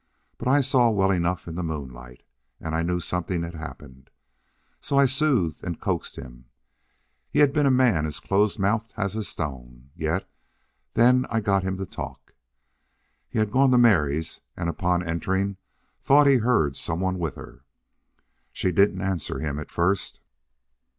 But I saw well enough in the moonlight. And I knew something had happened. So I soothed and coaxed him. He had been a man as close mouthed as a stone. Yet then I got him to talk.... He had gone to Mary's, and upon entering, thought he heard some one with her. She didn't answer him at first.